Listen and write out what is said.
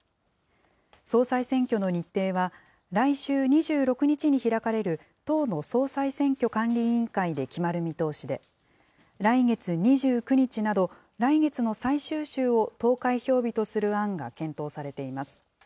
総裁選挙の日程は、来週２６日に開かれる党の総裁選挙管理委員会で決まる見通しで、来月２９日など、来月の最終週を投開票日とする案が検討されています。